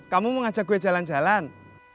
kamu mau ngajak gue jalan jalan